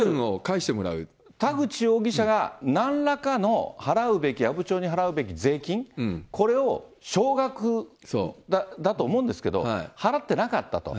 田口容疑者がなんらかの払うべき、阿武町に払うべき税金、これを少額だと思うんですけど、払ってなかったと。